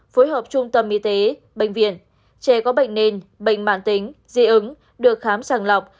phối hợp trung tâm y tế bệnh viện trẻ có bệnh nền bệnh mạng tính dị ứng được khám sàng lọc